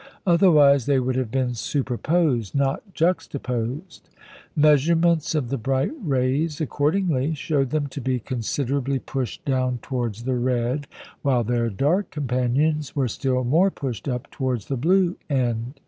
Otherwise they would have been superposed, not juxtaposed. Measurements of the bright rays, accordingly, showed them to be considerably pushed down towards the red, while their dark companions were still more pushed up towards the blue end.